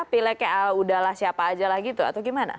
pilih piliknya udahlah siapa aja lah gitu atau gimana